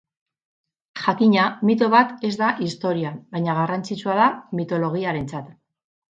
Jakina, mito bat ez da historia, baina garrantzitsua da mitologiarentzat.